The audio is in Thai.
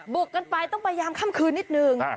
กันไปต้องพยายามค่ำคืนนิดนึง